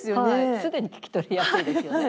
すでに聞き取りやすいですよね。